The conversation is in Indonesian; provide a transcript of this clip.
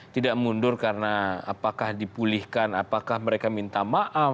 tidak mundur karena apakah dipulihkan apakah mereka minta maaf